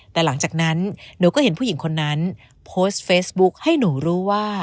แต่หลังจากนั้นหนูก็เห็นผู้หญิงคนนั้นโพสต์เฟซบุ๊คให้หนูรู้ว่า